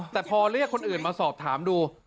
แต่พอเรียกคนอื่นมาสอบถามดู